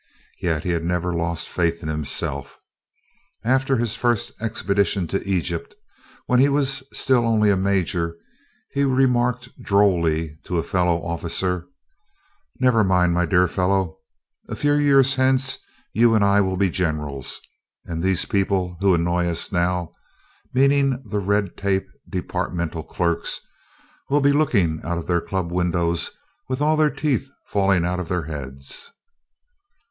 Yet he had never lost faith in himself. After this first expedition to Egypt, when he was still only a major, he remarked drolly to a fellow officer: "Never mind, my dear fellow, a few years hence you and I will be generals, and these people who annoy us now (meaning the red tape departmental clerks) will be looking out of their club windows, with all their teeth falling out of their heads!"